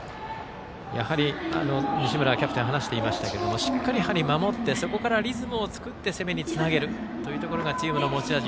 やはり、西村キャプテンも話していましたがしっかり守ってそこからリズムを作って攻めにつなげるというところがチームの持ち味。